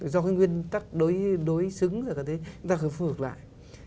do cái nguyên tắc đối xứng rồi cả thế chúng ta có thể khôi phục lại